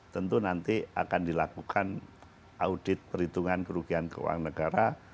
tentu nanti akan dilakukan audit perhitungan kerugian keuangan negara